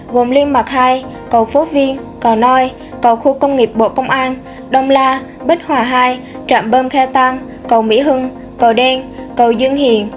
gồm liêm mạc hai cầu phố viên cỏ noi cầu khu công nghiệp bộ công an đông la bích hòa hai trạm bơm khe tan cầu mỹ hưng cầu đen cầu dương hiền